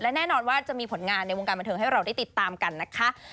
และแน่นอนว่าจะมีผลงานในวงการบันเทิงให้เราได้ติดตามกันนะคะ